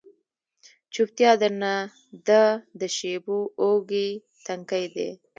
چوپتیا درنه ده د شېبو اوږې، تنکۍ دی